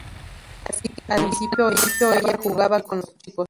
Así que al principio, ella jugaba con los chicos.